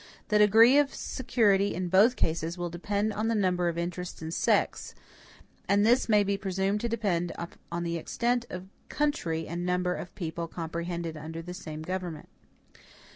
The degree of security in both cases will depend on the number of interests and sects; and this may be presumed to depend on the extent of country and number of people comprehended under the same government.